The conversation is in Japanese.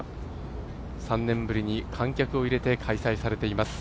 ３年ぶりに観客を入れて開催されています